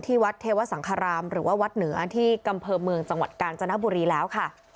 ที่วัดเทวสารรามหรือว่าวัดเหนือที่กรรมพยาบาลเมืองจังหวัดกานฯหน้าบุรีแล้วค่ะ